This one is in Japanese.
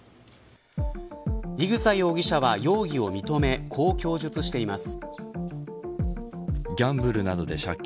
伊草容疑者は容疑を認めこう供述しています。